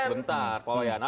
sebentar pak wayan